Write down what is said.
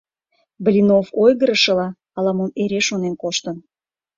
Блинов, ойгырышыла, ала-мом эре шонен коштын.